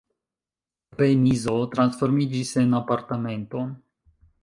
Remizo transformiĝis en apartamenton.